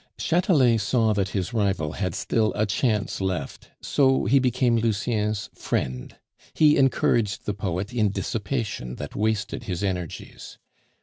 Chatelet saw that his rival had still a chance left, so he became Lucien's friend. He encouraged the poet in dissipation that wasted his energies.